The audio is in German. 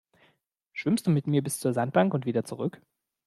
Schwimmst du mit mir bis zur Sandbank und wieder zurück?